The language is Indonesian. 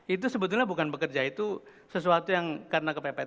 itu sebetulnya bukan bekerja itu sesuatu yang karena kepepet